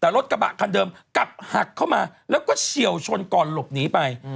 แต่รถกระบะคันเดิมกลับหักเข้ามาแล้วก็เฉียวชนก่อนหลบหนีไป